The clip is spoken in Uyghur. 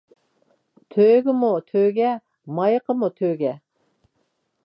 تۆگىمۇ تۆگە، مايىقىمۇ تۆگە.